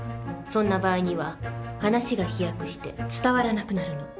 そんな場合には話が飛躍して伝わらなくなるの。